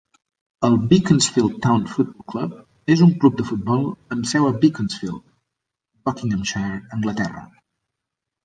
El Beaconsfield Town Football Club és un club de futbol amb seu a Beaconsfield, Buckinghamshire, Anglaterra.